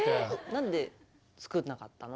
なんで作んなかったの？